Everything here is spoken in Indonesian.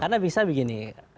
karena bisa begini